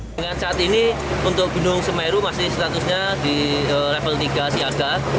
dengan saat ini untuk gunung semeru masih statusnya di level tiga siaga